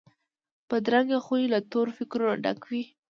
بدرنګه خوی له تورو فکرونو ډک وي